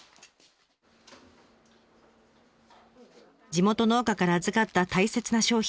地元農家から預かった大切な商品。